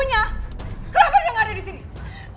mau tintan kan gak ada disini bu